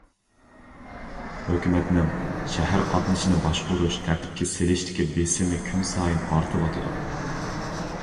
ھۆكۈمەتنىڭ شەھەر قاتنىشىنى باشقۇرۇش-تەرتىپكە سېلىشتىكى بېسىمى كۈنسايىن ئارتىۋاتىدۇ.